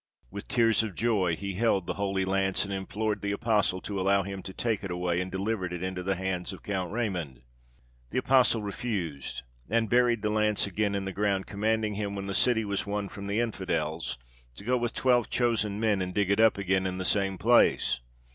With tears of joy he held the holy lance, and implored the apostle to allow him to take it away and deliver it into the hands of Count Raymond. The apostle refused, and buried the lance again in the ground, commanding him, when the city was won from the infidels, to go with twelve chosen men, and dig it up again in the same place.